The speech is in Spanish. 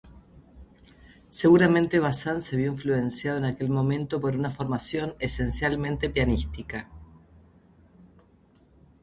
Seguramente Bazán se vio influenciado en aquel momento por una formación esencialmente pianística.